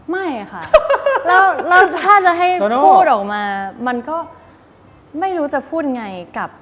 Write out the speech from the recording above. ไม่ค่ะแล้วถ้าจะให้พูดออกมามันก็ไม่รู้จะพูดไงกับ